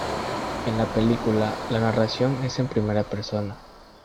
En la película, la narración es en primera persona.